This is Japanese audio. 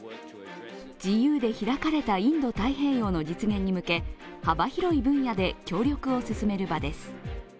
自由で開かれたインド太平洋の実現に向け幅広い分野で協力を進める場です。